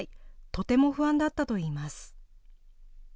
とても不安だったといいます。